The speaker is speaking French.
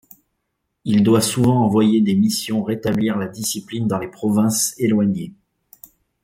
Il doit souvent envoyer des missions rétablir la discipline dans les provinces éloignées.